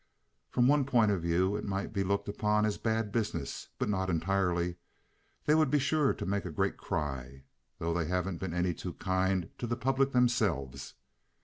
"From one point of view it might be looked upon as bad business, but not entirely. They would be sure to make a great cry, though they haven't been any too kind to the public themselves.